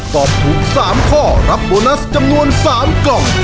ตอบถูก๓ข้อรับโบนัสจำนวน๓กล่อง